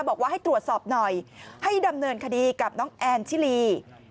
บอกว่าให้ตรวจสอบหน่อยให้ดำเนินคดีกับน้องแอนชิลี